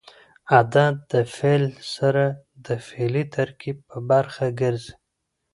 عدد د فعل سره د فعلي ترکیب برخه ګرځي.